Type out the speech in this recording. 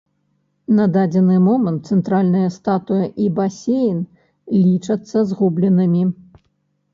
На дадзены момант цэнтральная статуя і басейн лічацца згубленымі.